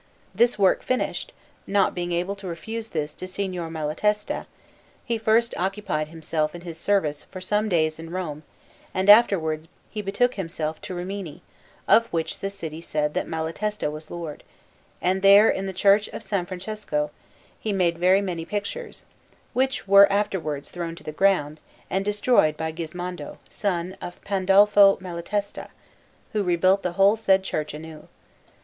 This work finished, not being able to refuse this to Signor Malatesta, he first occupied himself in his service for some days in Rome, and afterwards he betook himself to Rimini, of which city the said Malatesta was lord; and there, in the Church of S. Francesco, he made very many pictures, which were afterwards thrown to the ground and destroyed by Gismondo, son of Pandolfo Malatesta, who rebuilt the whole said church anew.